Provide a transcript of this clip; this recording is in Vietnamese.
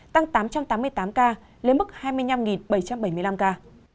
tăng tám trăm tám mươi tám ca lên mức hai mươi năm bảy trăm bảy mươi năm ca